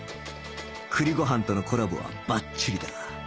栗ご飯とのコラボはバッチリだ